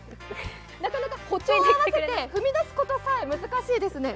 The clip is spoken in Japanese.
なかなか歩調を合わせて、踏み出すことさえ難しいですね。